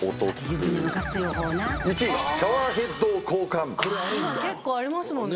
今結構ありますもんね。